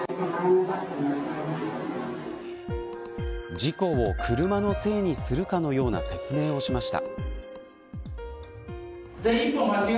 事故を車のせいにするかのような説明をしました。